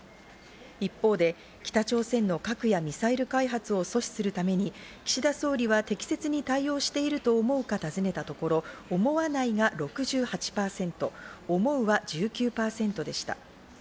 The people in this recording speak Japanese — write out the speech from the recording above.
一方で北朝鮮の核やミサイル開発を阻止するために、岸田総理は適切に対応してると思うか尋ねたところ、思わないが６８％、思うは１９％でした。